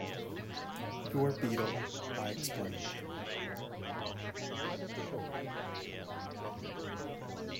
"Your beetle," I explained.